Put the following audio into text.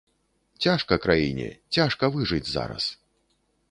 Цяжка краіне, цяжка выжыць зараз.